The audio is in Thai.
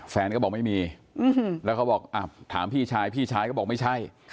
แฟนก็บอกไม่มีแล้วเขาบอกถามพี่ชายพี่ชายก็บอกไม่ใช่